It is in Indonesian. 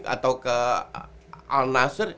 atau ke al nasser